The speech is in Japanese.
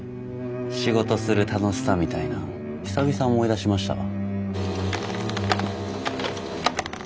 仕事する楽しさみたいなん久々思い出しましたわ。